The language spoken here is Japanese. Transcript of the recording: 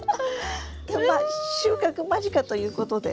ま収穫間近ということで。